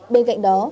bên cạnh đó